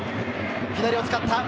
左を使った。